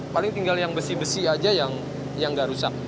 paling tinggal yang besi besi aja yang nggak rusak